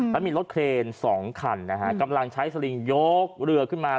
แล้วมีรถเครนสองคันนะฮะกำลังใช้สลิงยกเรือขึ้นมา